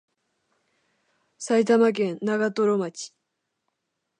埼玉県長瀞町